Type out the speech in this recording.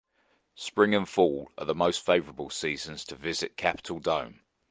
Spring and fall are the most favorable seasons to visit Capitol Dome.